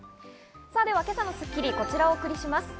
今朝の『スッキリ』、こちらをお送りします。